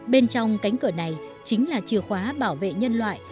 bên trong cánh cửa này chính là chìa khóa bảo vệ nhân loại